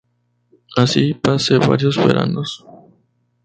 Así pasé varios veranos